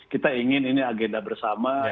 kita ingin ini agenda bersama